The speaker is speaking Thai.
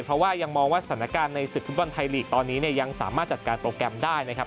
เพราะว่ายังมองว่าสถานการณ์ในศึกฟุตบอลไทยลีกตอนนี้เนี่ยยังสามารถจัดการโปรแกรมได้นะครับ